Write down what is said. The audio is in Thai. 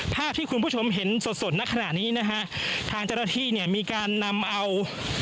ภาพที่คุณผู้ชมเห็นสดสดในขณะนี้นะฮะทางเจ้าหน้าที่เนี่ยมีการนำเอา